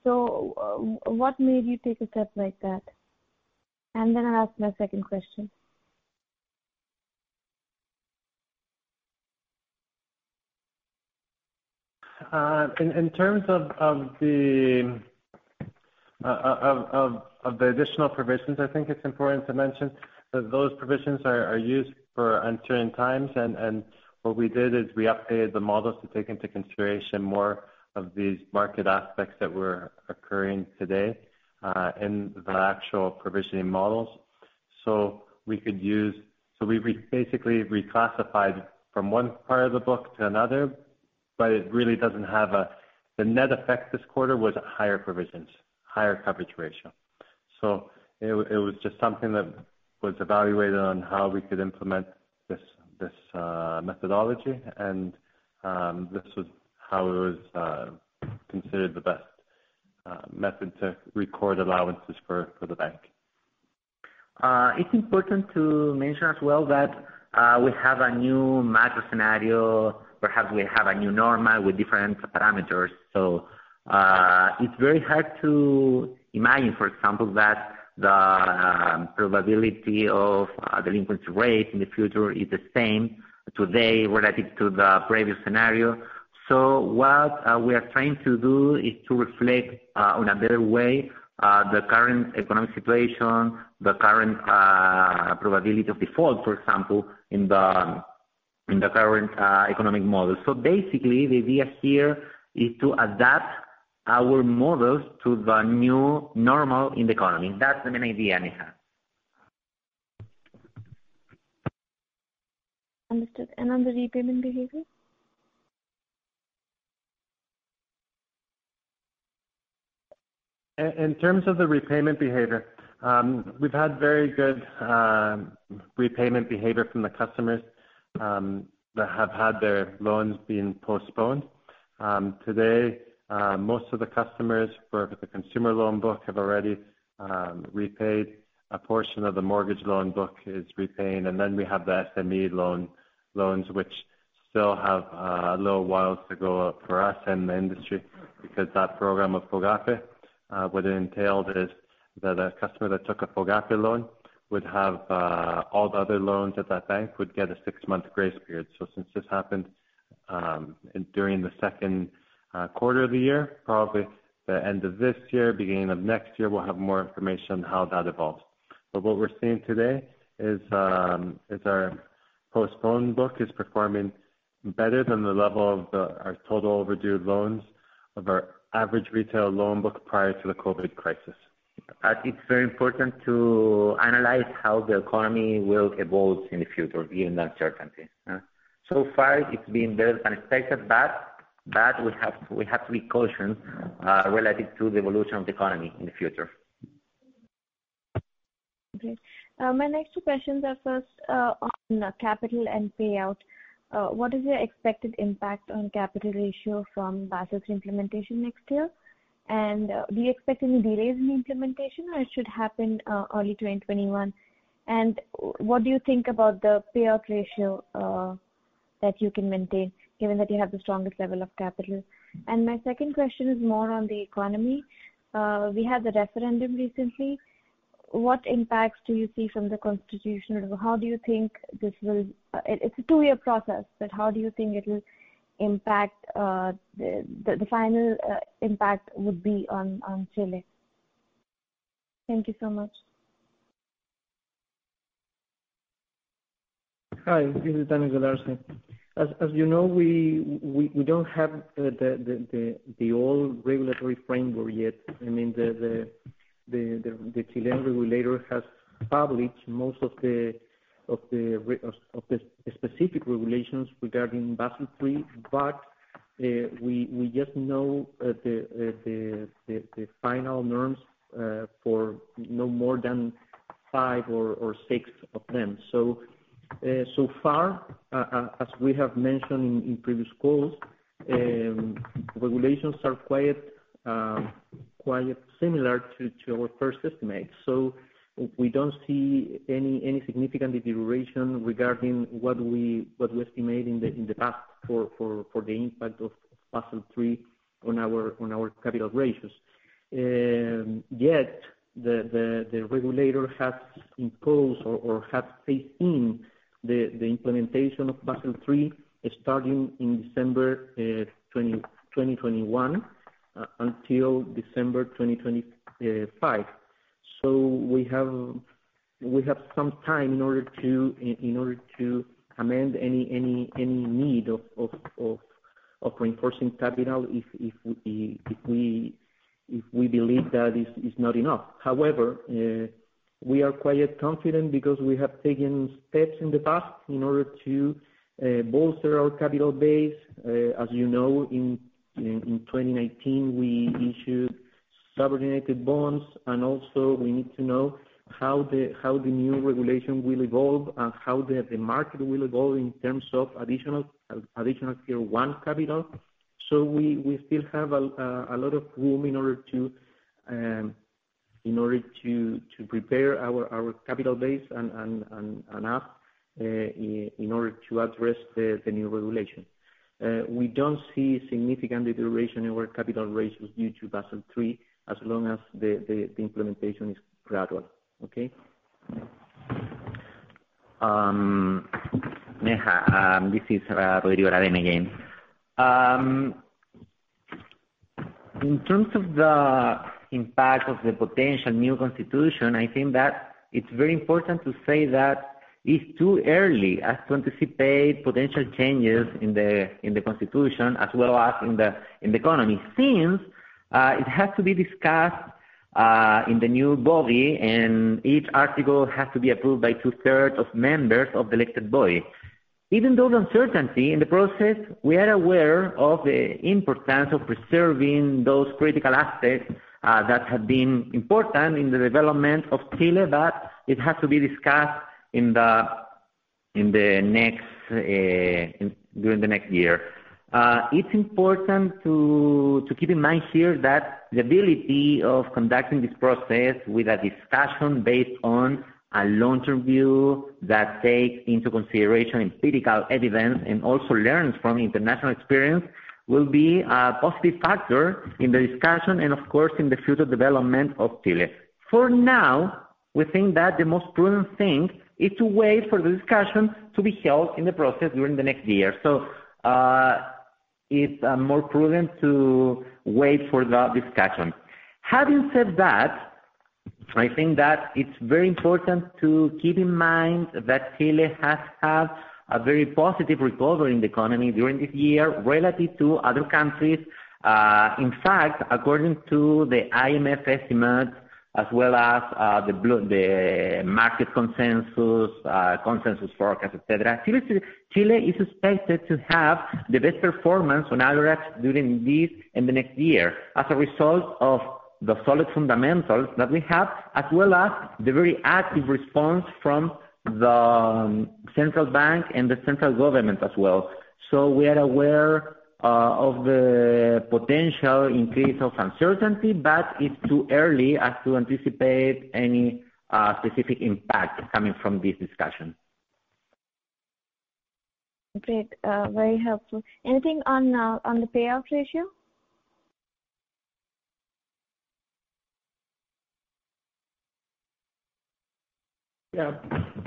What made you take a step like that? I'll ask my second question. In terms of the additional provisions, I think it's important to mention that those provisions are used for uncertain times. What we did is we updated the models to take into consideration more of these market aspects that were occurring today in the actual provisioning models. We basically reclassified from one part of the book to another, but the net effect this quarter was higher provisions, higher coverage ratio. It was just something that was evaluated on how we could implement this methodology. This was how it was considered the best method to record allowances for the bank. It's important to mention as well that we have a new macro scenario, perhaps we have a new normal with different parameters. It's very hard to imagine, for example, that the probability of delinquency rate in the future is the same today relative to the previous scenario. What we are trying to do is to reflect on a better way the current economic situation, the current probability of default, for example, in the current economic model. Basically, the idea here is to adapt our models to the new normal in the economy. That's the main idea, Neha. Understood. On the repayment behavior? In terms of the repayment behavior, we've had very good repayment behavior from the customers that have had their loans being postponed. Today, most of the customers for the consumer loan book have already repaid. A portion of the mortgage loan book is repaid. We have the SME loans, which still have a little while to go for us and the industry, because that program of FOGAPE, what it entailed is that a customer that took a FOGAPE loan would have all the other loans at that bank would get a six-month grace period. Since this happened during the second quarter of the year, probably the end of this year, beginning of next year, we'll have more information on how that evolves. What we're seeing today is our postponed book is performing better than the level of our total overdue loans of our average retail loan book prior to the COVID crisis. It's very important to analyze how the economy will evolve in the future, given the uncertainty. Far, it's been very unexpected, but we have to be cautious relative to the evolution of the economy in the future. Okay. My next two questions are first on capital and payout. What is your expected impact on capital ratio from Basel's implementation next year? Do you expect any delays in implementation, or it should happen early 2021? What do you think about the payout ratio that you can maintain given that you have the strongest level of capital? My second question is more on the economy. We had the referendum recently. What impacts do you see from the constitutional level? It's a two-year process, how do you think the final impact would be on Chile? Thank you so much. Hi, this is Daniel Galarce. As you know, we don't have the old regulatory framework yet. The Chilean regulator has published most of the specific regulations regarding Basel III, but we just know the final norms for no more than five or six of them. Far, as we have mentioned in previous calls, regulations are quite similar to our first estimate. We don't see any significant deterioration regarding what we estimated in the past for the impact of Basel III on our capital ratios. Yet, the regulator has imposed or has taken the implementation of Basel III starting in December 2021 until December 2025. We have some time in order to amend any need of reinforcing capital if we believe that it's not enough. However, we are quite confident because we have taken steps in the past in order to bolster our capital base. As you know, in 2019, we issued subordinated bonds, and also we need to know how the new regulation will evolve and how the market will evolve in terms of Additional Tier 1 capital. We still have a lot of room in order to prepare our capital base and up in order to address the new regulation. We don't see significant deterioration in our capital ratios due to Basel III, as long as the implementation is gradual. Okay? Neha, This is Rodrigo Aravena again. In terms of the impact of the potential new constitution, I think that it's very important to say that it's too early as to anticipate potential changes in the constitution as well as in the economy, since it has to be discussed in the new body, and each article has to be approved by 2/3 of members of the elected body. Even though the uncertainty in the process, we are aware of the importance of preserving those critical aspects that have been important in the development of Chile, but it has to be discussed during the next year. It's important to keep in mind here that the ability of conducting this process with a discussion based on a long-term view that takes into consideration empirical evidence and also learns from international experience will be a positive factor in the discussion and, of course, in the future development of Chile. We think that the most prudent thing is to wait for the discussion to be held in the process during the next year. It's more prudent to wait for the discussion. Having said that, I think that it's very important to keep in mind that Chile has had a very positive recovery in the economy during this year relative to other countries. In fact, according to the IMF estimate as well as the market consensus forecast, et cetera, Chile is expected to have the best performance on average during this and the next year as a result of the solid fundamentals that we have, as well as the very active response from the Central Bank and the central government as well. We are aware of the potential increase of uncertainty, but it's too early as to anticipate any specific impact coming from this discussion. Great. Very helpful. Anything on the payout ratio?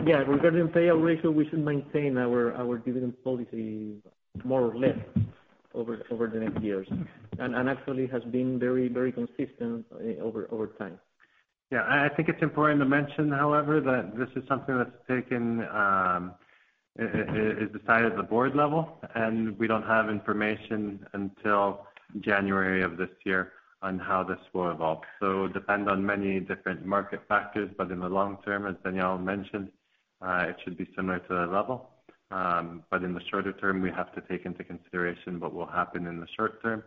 Yeah. Regarding payout ratio, we should maintain our dividend policy more or less over the next years. Actually, it has been very consistent over time. Yeah, I think it's important to mention, however, that this is something that is decided at the board level, and we don't have information until January of this year on how this will evolve. It depends on many different market factors, but in the long term, as Daniel mentioned, it should be similar to the level. In the shorter term, we have to take into consideration what will happen in the short term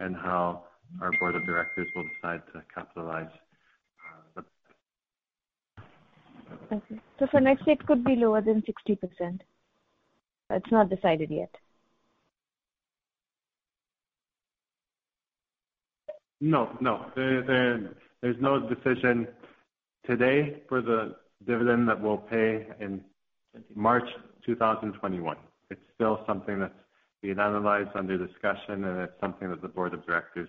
and how our board of directors will decide to capitalize. Okay. For next year, it could be lower than 60%? It's not decided yet. No. There's no decision today for the dividend that we'll pay in March 2021. It's still something that's being analyzed, under discussion, and it's something that the board of directors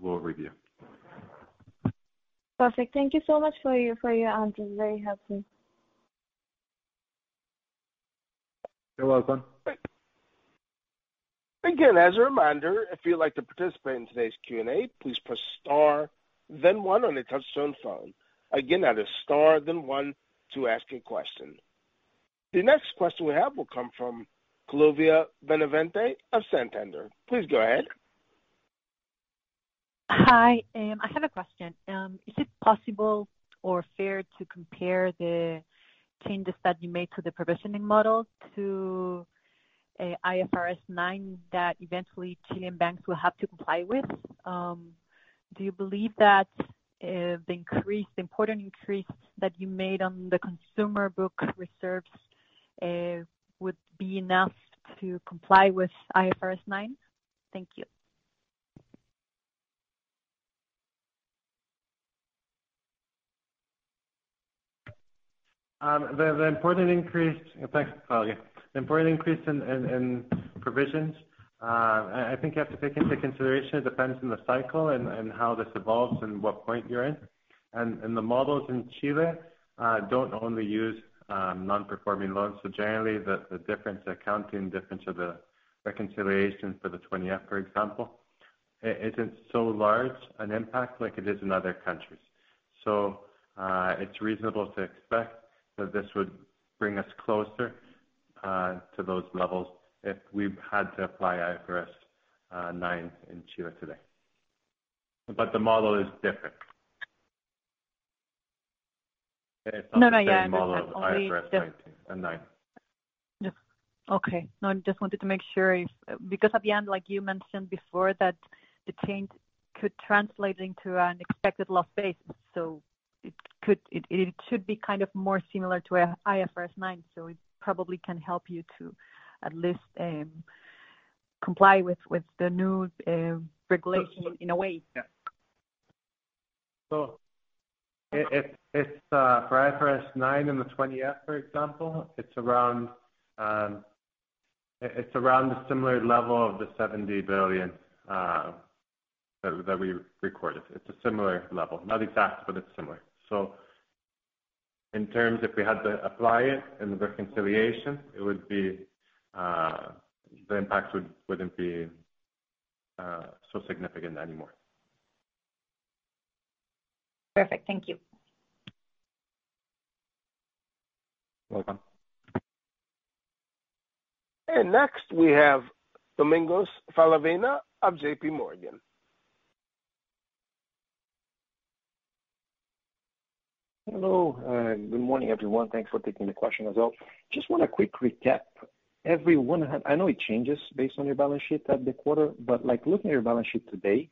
will review. Perfect. Thank you so much for your answers. Very helpful. You're welcome. Again, as a reminder, if you'd like to participate in today's Q&A, please press star then one on a touchtone phone. Again, that is star then one to ask a question. The next question we have will come from Claudia Benavente of Santander. Please go ahead. Hi, I have a question. Is it possible or fair to compare the changes that you made to the provisioning model to IFRS 9 that eventually Chilean banks will have to comply with? Do you believe that the important increase that you made on the consumer book reserves would be enough to comply with IFRS 9? Thank you. Thanks, Claudia. The important increase in provisions, I think you have to take into consideration it depends on the cycle and how this evolves and what point you're in. The models in Chile don't only use non-performing loans. Generally, the difference, the accounting difference of the reconciliation for the 20F, for example, isn't so large an impact like it is in other countries. It's reasonable to expect that this would bring us closer to those levels if we had to apply IFRS 9 in Chile today. The model is different. It's not the same model as IFRS 9. No, I understand. I just wanted to make sure if, because at the end, like you mentioned before, that the change could translate into an expected loss base, so it should be kind of more similar to IFRS 9, so it probably can help you to at least comply with the new regulation in a way? Yeah. For IFRS 9 in the 20F, for example, it is around a similar level of the 70 billion that we recorded. It is a similar level, not exact, but it is similar. In terms if we had to apply it in the reconciliation, the impact wouldn't be so significant anymore. Perfect. Thank you. Welcome. Next we have Domingos Falavina of JPMorgan Hello, good morning, everyone. Thanks for taking the question as well. Just want a quick recap. I know it changes based on your balance sheet at the quarter, looking at your balance sheet today,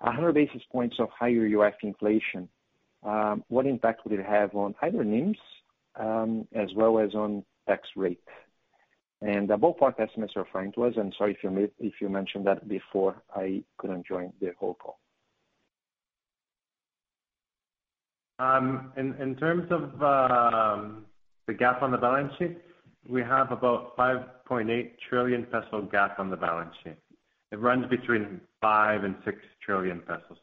100 basis points of higher UF inflation, what impact would it have on either NIMs as well as on tax rate? The ballpark estimates you're referring to, and sorry if you mentioned that before I couldn't join the whole call. In terms of the gap on the balance sheet, we have about 5.8 trillion peso gap on the balance sheet. It runs between 5 trillion and 6 trillion pesos.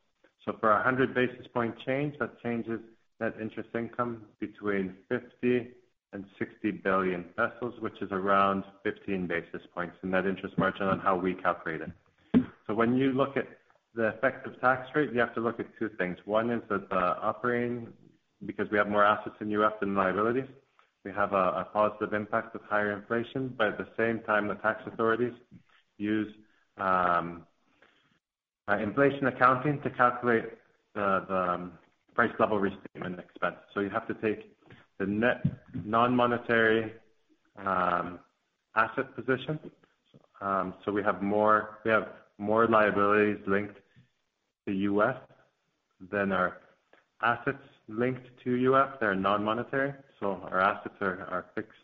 For 100 basis point change, that changes net interest income between 50 billion and 60 billion pesos, which is around 15 basis points in net interest margin on how we calculate it. When you look at the effect of tax rate, you have to look at two things. One is that operating, because we have more assets in UF than liability, we have a positive impact of higher inflation. But at the same time, the tax authorities use inflation accounting to calculate the price level restatement expense. You have to take the net non-monetary asset position. We have more liabilities linked to UF than our assets linked to UF that are non-monetary. Our assets are fixed,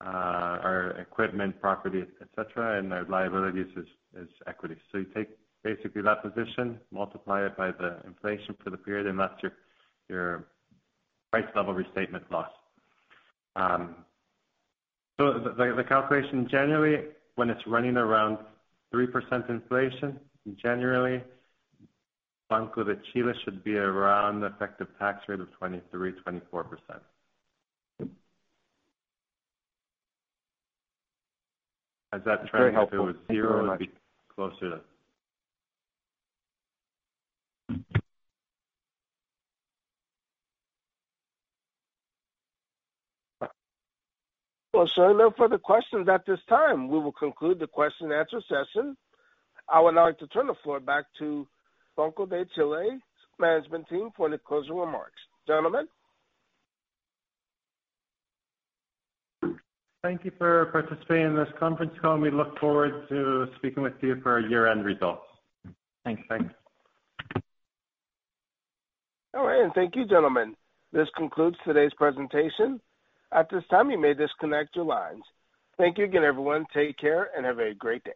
our equipment, property, et cetera, and our liabilities is equity. You take basically that position, multiply it by the inflation for the period, and that's your price level restatement loss. The calculation, generally, when it's running around 3% inflation, generally, Banco de Chile should be around effective tax rate of 23%, 24%. Very helpful. Thank you very much. if it was zero, it would be closer to. Well, no further questions at this time. We will conclude the question and answer session. I would like to turn the floor back to Banco de Chile management team for any closing remarks. Gentlemen? Thank you for participating in this conference call, and we look forward to speaking with you for our year-end results. Thanks. All right. Thank you, gentlemen. This concludes today's presentation. At this time, you may disconnect your lines. Thank you again, everyone. Take care and have a great day.